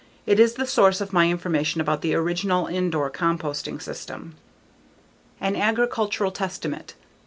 It is the source of my information about the original Indore composting system. _An Agricultural Testament.